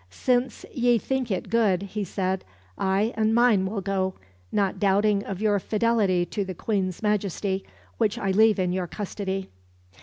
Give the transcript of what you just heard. "Since ye think it good," he said, "I and mine will go, not doubting of your fidelity to the Queen's Majesty, which I leave in your custody."